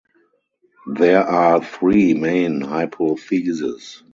There are three main hypotheses.